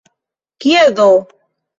Kie do?